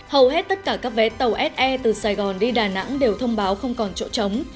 hầu hết tất cả các vé tàu se từ sài gòn đi đà nẵng đều thông báo không còn chỗ trống